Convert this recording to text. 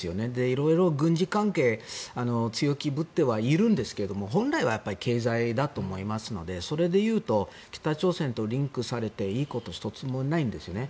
色々、軍事関係強気ぶってはいるんですけど本来は経済だと思いますのでそれでいうと北朝鮮とリンクされていいことは１つもないんですよね。